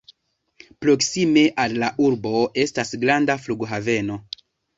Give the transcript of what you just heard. Proksime al la urbo estas granda flughaveno.